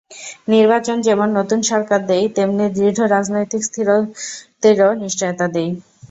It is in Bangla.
নির্বাচন যেমন নতুন সরকার দেয়, তেমনি দৃঢ় রাজনৈতিক স্থিতিরও নিশ্চয়তা দেয়।